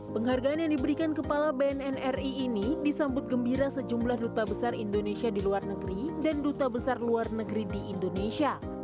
penghargaan yang diberikan kepala bnnri ini disambut gembira sejumlah duta besar indonesia di luar negeri dan duta besar luar negeri di indonesia